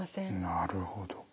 なるほど。